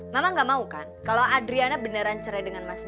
mama gak mau kan kalau adriana beneran cerai dengan mas